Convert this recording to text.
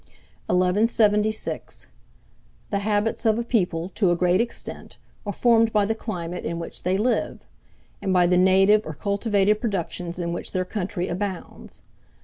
1176. THE HABITS OF A PEOPLE, to a great extent, are formed by the climate in which they live, and by the native or cultivated productions in which their country abounds.